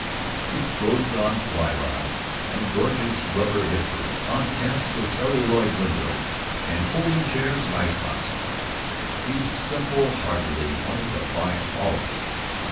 He gloated on fly rods and gorgeous rubber hip boots, on tents with celluloid windows and folding chairs and ice boxes. He simple heartedly wanted to buy all of them.